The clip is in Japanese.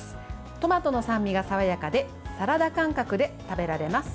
トマトの酸味が爽やかでサラダ感覚で食べられます。